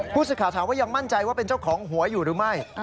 ผู้สื่อข่าวถามว่ายังมั่นใจว่าเป็นเจ้าของหวยอยู่หรือไม่